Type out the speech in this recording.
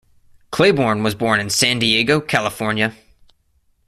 Claiborne was born in San Diego, California.